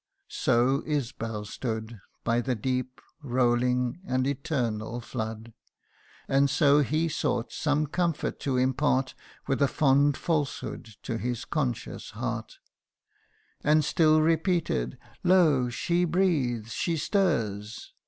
So Isbal stood By the deep, rolling, and eternal flood ; And so he sought some comfort to impart With a fond falsehood to his conscious heart ; And still repeated, " Lo, she breathes ! she stirs